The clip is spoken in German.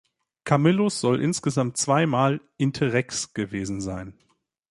Camillus soll insgesamt zwei Mal "interrex" gewesen sein.